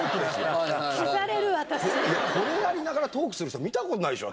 これやりながらトークする人見た事ないでしょだって。